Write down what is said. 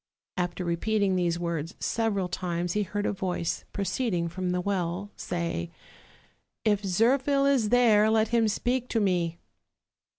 '' After repeating these words several times he heard a voice, proceeding from the well, say: "If Zirphil is there, let him speak to me."